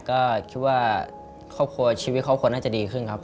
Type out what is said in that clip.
ก็คิดว่าชีวิตเขาควรน่าจะดีขึ้นครับ